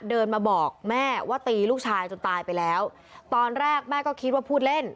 เดินมาบอกแม่ว่าตีลูกชายจนตายไปแล้วตอนแรกแม่ก็คิดว่าพูดเล่น